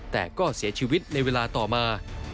แต่ก็เสียชีวิตในเวลาต่อมา